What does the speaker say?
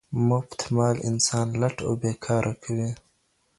مفت مال انسان لټ او بې کاره کوي.